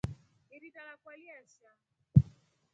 Irinda lakwa liyasha.